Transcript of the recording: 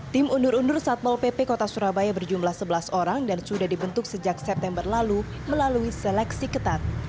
tim undur undur satpol pp kota surabaya berjumlah sebelas orang dan sudah dibentuk sejak september lalu melalui seleksi ketat